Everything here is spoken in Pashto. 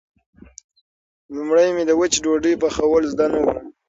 لومړی مې د وچې ډوډۍ پخول زده نه و.